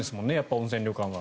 温泉旅館は。